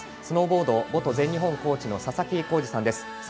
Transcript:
スノーボード元全日本コーチの佐々木耕司さんです。